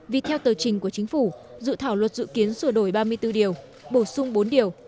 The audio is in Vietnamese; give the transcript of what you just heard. vì theo tờ trình của chính phủ dự thảo luật dự kiến sửa đổi ba mươi bốn điều bổ sung bốn điều